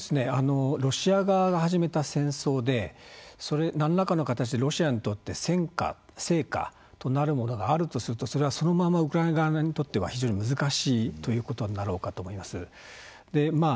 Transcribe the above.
ロシア側が始めた戦争でそれを何らかの形でロシアにとって、戦果成果となるものがあるとするとそれはそのままウクライナ側にとっては難しいということになろうかと思います。